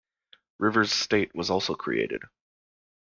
Rivers State was also created.